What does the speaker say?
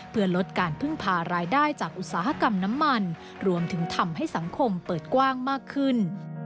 เพื่อลดการพึ่งพารายได้จากอุตสาหกรรมน้ำมันรวมถึงทำให้สังคมเปิดกว้างมากขึ้น